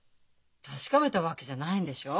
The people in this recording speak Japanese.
確かめたわけじゃないんでしょ？